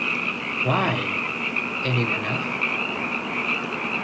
Why! — ain't it enough?